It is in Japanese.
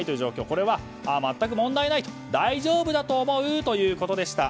これは全く問題ない大丈夫だと思うということでした。